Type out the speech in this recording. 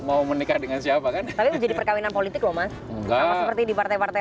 mau menikah dengan siapa kan tapi menjadi perkawinan politik loh mas enggak sama seperti di partai partai